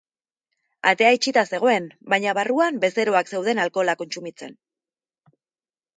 Atea itxita zegoen, baina barruan bezeroak zeuden alkohola kontsumitzen.